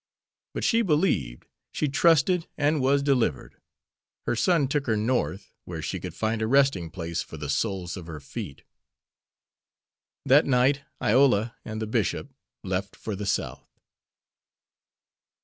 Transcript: But she believed, she trusted, and was delivered. Her son took her North, where she could find a resting place for the soles of her feet." That night Iola and the bishop left for the South.